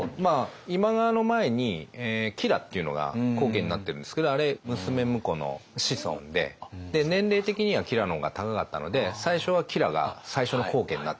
今川の前に吉良っていうのが高家になってるんですけど娘婿の子孫で年齢的には吉良の方が高かったので最初は吉良が最初の高家になってるんですね。